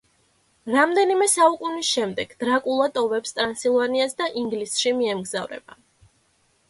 რამდენიმე საუკუნის შემდეგ დრაკულა ტოვებს ტრანსილვანიას და ინგლისში მიემგზავრება.